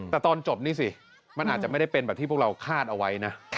แต่ตอนจบนี่สิมันอาจจะไม่ได้เป็นแบบที่พวกเราคาดเอาไว้นะ